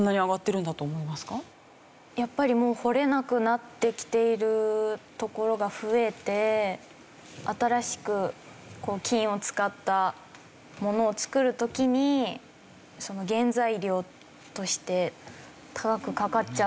やっぱりもう掘れなくなってきている所が増えて新しく金を使ったものを作る時に原材料として高くかかっちゃうのかなっていう。